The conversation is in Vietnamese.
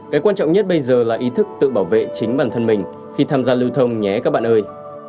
cái quan trọng nhất bây giờ là ý thức tự bảo vệ chính bản thân mình khi tham gia lưu thông nhé các bạn ơi